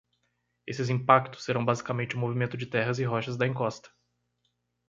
Esses impactos serão basicamente o movimento de terras e rochas da encosta.